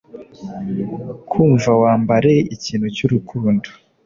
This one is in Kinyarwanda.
kumva Wambare ikintu cy'urukundo